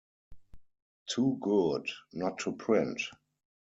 Too good not to print!